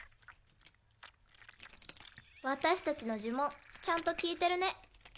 私たちの呪文ちゃんと効いてるね。